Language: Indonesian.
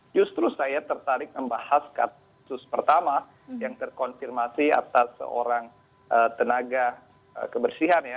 justru saya tertarik membahas kasus pertama yang terkonfirmasi atas seorang tenaga kebersihan ya